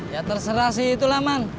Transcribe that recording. ya terserah sih itulah man